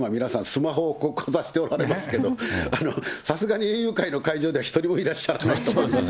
スマホをかざしておられますけれども、さすがに園遊会の会場では、一人もいらっしゃらないと思いますよ。